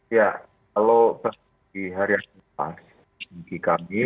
ya kalau bagi harian kompas bagi kami